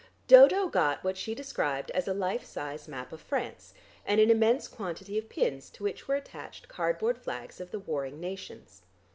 Dodo got what she described as a life size map of France, and an immense quantity of pins to which were attached cardboard flags of the warring nations.